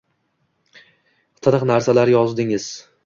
tiniq narsalar yozdingiz.